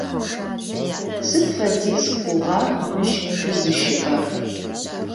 Сыд фэдиз хъугъа мыщ шъузыщыӏэр?